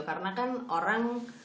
karena kan orang